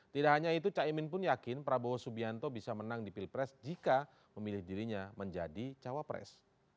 tidak hanya itu caimin pun yakin prabowo subianto bisa menang di pilpres jika memilih dirinya menjadi cawapres